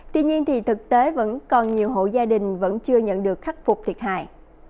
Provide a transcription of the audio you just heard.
tuy nhiên thì thực tế vẫn còn nhiều hộ gia đình vẫn chưa nhận được khắc phục thiệt hại